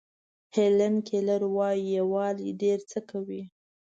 هیلن کیلر وایي یووالی ډېر څه کوي.